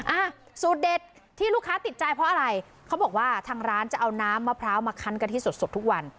อ่ะสูตรเด็ดที่ลูกค้าติดใจเพราะอะไรเขาบอกว่าทางร้านจะเอาน้ำมะพร้าวมาคันกะทิสดสดทุกวัน